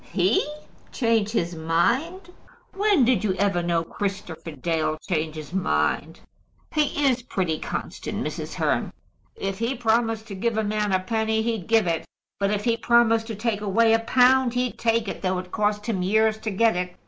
"He change his mind! When did you ever know Christopher Dale change his mind?" "He is pretty constant, Mrs. Hearn." "If he promised to give a man a penny, he'd give it. But if he promised to take away a pound, he'd take it, though it cost him years to get it.